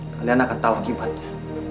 kalian akan tahu akibatnya